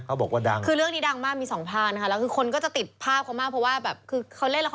เรื่องนี้ดังมากมี๒พากรก็ติดภาพพออาาจผู้จัดเกาะ